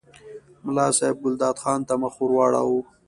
ملا صاحب ګلداد خان ته مخ ور واړاوه.